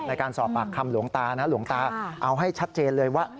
ในการสอบปากคำหลวงตานะหลวงตาเอาให้ชัดเจนเลยว่า